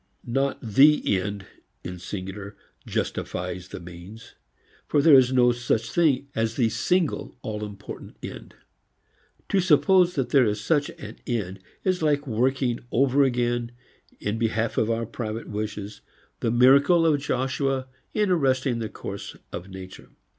Not the end in the singular justifies the means; for there is no such thing as the single all important end. To suppose that there is such an end is like working over again, in behalf of our private wishes, the miracle of Joshua in arresting the course of nature.